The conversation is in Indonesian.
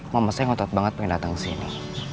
mama saya ngotot banget pengen datang kesini